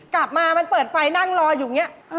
กลับมามันเปิดไฟนั่งรออยู่อย่างนี้